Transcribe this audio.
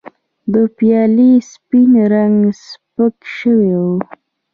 د پیالې سپین رنګ سپک شوی و.